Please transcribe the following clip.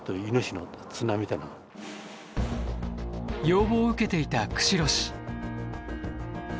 要望を受けていた釧路市。